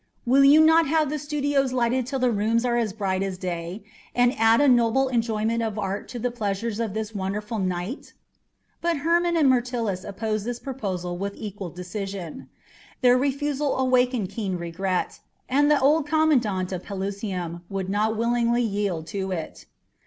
Will you not have the studios lighted till the rooms are as bright as day, and add a noble enjoyment of art to the pleasures of this wonderful night?" But Hermon and Myrtilus opposed this proposal with equal decision. Their refusal awakened keen regret, and the old commandant of Pelusium would not willingly yield to it.